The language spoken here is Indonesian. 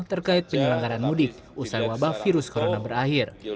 terkait penyelenggaran mudik usai wabah virus corona berakhir